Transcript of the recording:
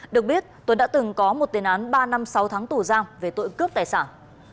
được biết tuấn đã từng có một tiền án ba năm sáu tháng tù giam về tội cướp tài sản